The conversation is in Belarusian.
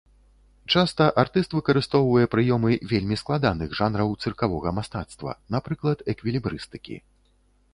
Часта артыст выкарыстоўвае прыёмы вельмі складаных жанраў цыркавога мастацтва, напрыклад, эквілібрыстыкі.